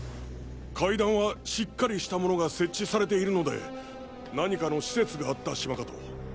階段はしっかりしたものが設置されているので何かの施設があった島かと。